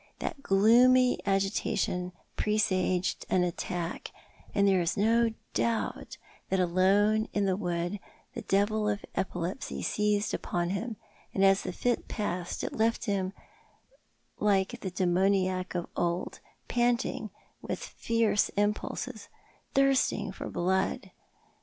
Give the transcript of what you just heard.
That gloomy agitation presaged an attack, and there is no doubt that alone in the wood the devil of epilepsy seized upon him, and as the fit passed it left him like the demoniac of old, panting with fierce impulses, thirsting for blood.